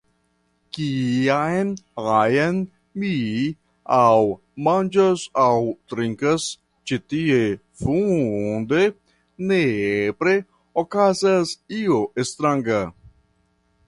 Kiam ajn mi aŭ manĝas aŭ trinkas ĉi tie funde, nepre okazas io stranga.